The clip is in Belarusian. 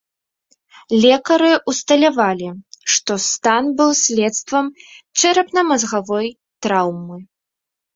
Лекары ўсталявалі, што стан быў следствам чэрапна-мазгавой траўмы.